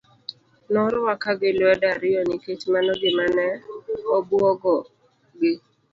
Norwaka gi lwedo ariyo nikech mano gima ne obuogo gi.